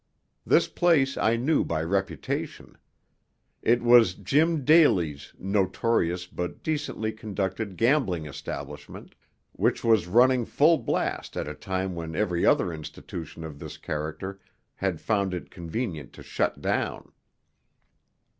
This place I knew by reputation. It was Jim Daly's notorious but decently conducted gambling establishment, which was running full blast at a time when every other institution of this character had found it convenient to shut down.